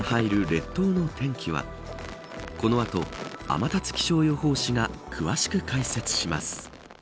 列島の天気はこの後、天達気象予報士が詳しく解説します。